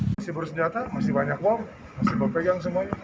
masih berus senjata masih banyak bom masih berpegang semuanya